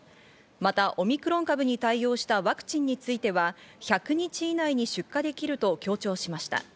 またオミクロン株に対応したワクチンについては、１００日以内に出荷できると強調しました。